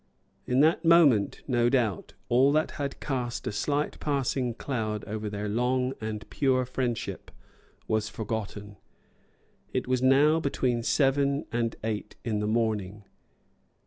In that moment, no doubt, all that had cast a slight passing cloud over their long and pure friendship was forgotten. It was now between seven and eight in the morning.